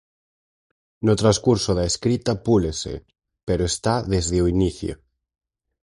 No transcurso da escrita púlese, pero está desde o inicio.